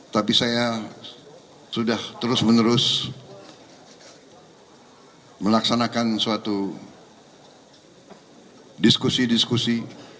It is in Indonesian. tapi saya sudah terus menerus melaksanakan suatu diskusi diskusi